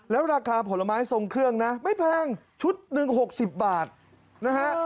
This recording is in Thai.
แล้วราคาผลไม้ทรงเครื่องนะไม่แพงชุดหนึ่ง๖๐บาทนะฮะ